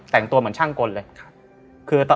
แต่งตัวเหมือนช่างกลเลย